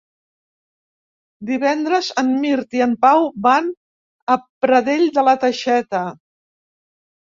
Divendres en Mirt i en Pau van a Pradell de la Teixeta.